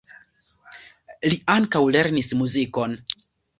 Li ankaŭ lernis muzikon.